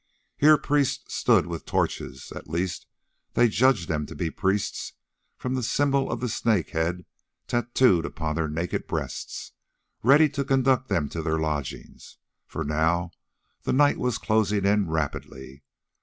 Here priests stood with torches—at least, they judged them to be priests from the symbol of the snake's head tattooed upon their naked breasts—ready to conduct them to their lodging, for now the night was closing in rapidly.